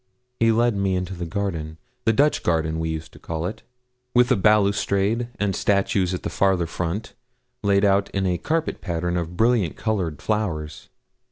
He led me into the garden the Dutch garden, we used to call it with a balustrade, and statues at the farther front, laid out in a carpet pattern of brilliantly coloured flowers.